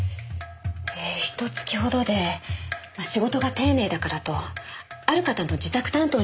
ひと月ほどで仕事が丁寧だからとある方の自宅担当になったんです。